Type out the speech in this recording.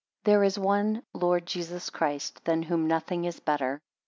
11 There is one Lord Jesus Christ, than whom nothing is better.